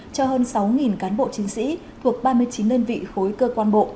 cho hơn sáu cán bộ chiến sĩ thuộc ba mươi chín đơn vị khối cơ quan bộ